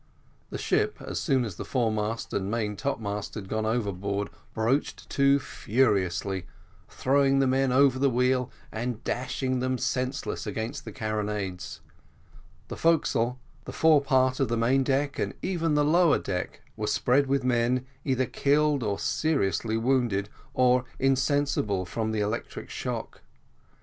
The ship, as soon as the foremast and main topmast had gone overboard, broached to furiously, throwing the men over the wheel and dashing them senseless against the carronades; the forecastle, the fore part of the main deck, and even the lower deck, were spread with men, either killed or seriously wounded or insensible from the electric shock.